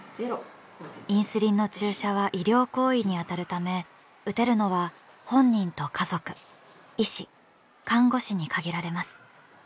インスリンの注射は医療行為にあたるため打てるのは本人と家族医師看護師に限られます。